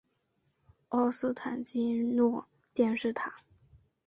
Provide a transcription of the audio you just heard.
奥斯坦金诺电视塔。